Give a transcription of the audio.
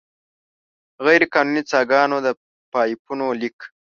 غیرقانوني څاګانو، د پایپونو لیک.